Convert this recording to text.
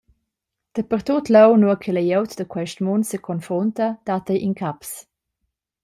Dapertut leu nua che glieud da quest mund seconfrunta dat ei incaps.